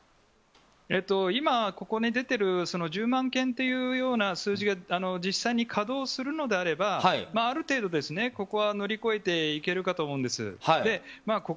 今、ここに出ている１０万件という数字が実際に稼働するのであればある程度、ここは乗り越えていけるかと思うんです。